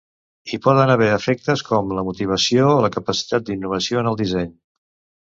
Hi poden haver efectes com la motivació o la capacitat d'innovació en el disseny.